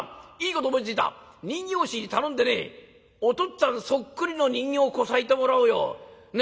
人形師に頼んでねお父っつぁんそっくりの人形こさえてもらおうよ。ね？